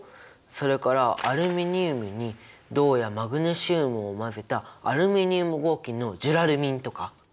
それからアルミニウムに銅やマグネシウムを混ぜたアルミニウム合金のジュラルミンとか！